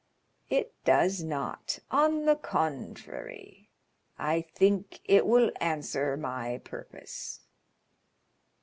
"It does not; on the contrary, I think it will answer my purpose."